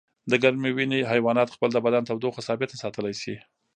د ګرمې وینې حیوانات خپل د بدن تودوخه ثابته ساتلی شي